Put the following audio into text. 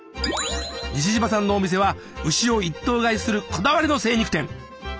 西島さんのお店は牛を一頭買いするこだわりの精肉店！